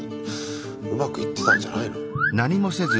うまくいってたんじゃないの？